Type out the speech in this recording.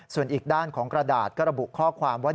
ส่วนอีกด้านของกระดาษก็ระบุข้อความว่า